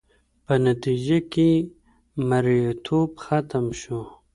په نتیجه کې یې مریتوب ختم شو.